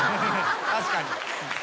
確かに。